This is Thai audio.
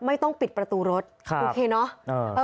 ไม่ต้องปิดประตูรถโอเคเนอะ